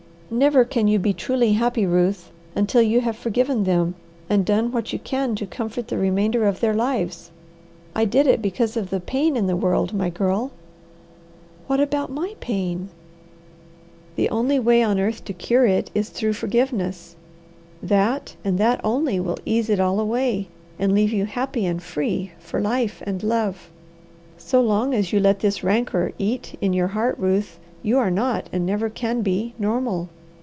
Never can you be truly happy, Ruth, until you have forgiven them, and done what you can to comfort the remainder of their lives. I did it because of the pain in the world, my girl." "What about my pain?" "The only way on earth to cure it is through forgiveness. That, and that only, will ease it all away, and leave you happy and free for life and love. So long as you let this rancour eat in your heart, Ruth, you are not, and never can be, normal.